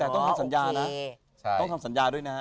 ต้องทำสัญญานะ